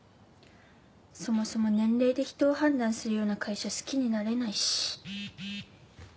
そもそも年齢で人を判断するような会社好きになれないし。